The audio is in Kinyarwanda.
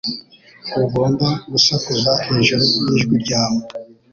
Ntugomba gusakuza hejuru yijwi ryawe.